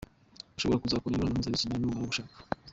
Ushobora kuzakora imibonano mpuzabitsina numara gushaka.